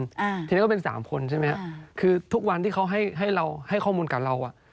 อ่าทีนี้ก็เป็นสามคนใช่ไหมฮะคือทุกวันที่เขาให้ให้เราให้ข้อมูลกับเราอ่ะ